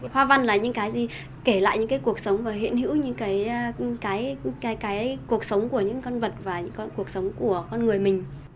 hoa văn là những cái gì kể lại những cái cuộc sống và hiện hữu những cái cuộc sống của những con vật và những con cuộc sống của con người mình